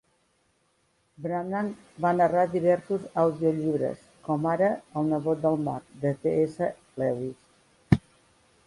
Branagh va narrar diversos audiollibres, com ara "El nebot del mag" de C. S. Lewis.